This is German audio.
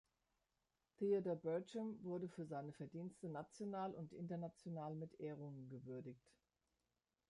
Theodor Berchem wurde für seine Verdienste national und international mit Ehrungen gewürdigt.